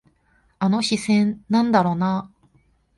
あの視線、なんだろうな。